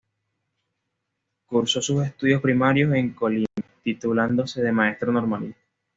Cursó sus estudios primarios en Colima, titulándose de maestro normalista.